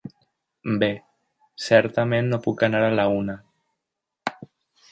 Bé, certament no puc anar a la una.